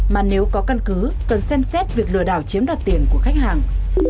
mà nếu có căn cứ cần xem xét việc lừa đảo chiếm đoạt tiền của khách hàng